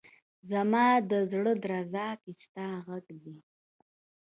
زما ده زړه درزا کي ستا غږ دی